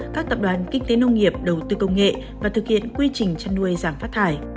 các tập đoàn kinh tế nông nghiệp đầu tư công nghệ và thực hiện quy trình chăn nuôi giảm phát thải